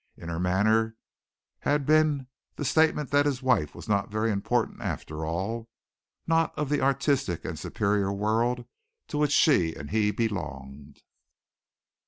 In her manner had been the statement that his wife was not very important after all, not of the artistic and superior world to which she and he belonged.